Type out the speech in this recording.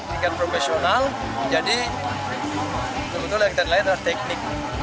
juri kan profesional jadi kebetulan kita nilai teknik